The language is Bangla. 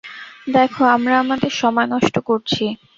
দেখো, আমরা আমাদের সময় নষ্ট করছি।